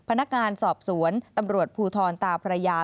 พนักงานสอบสวนตำรวจภูทรตาพระยา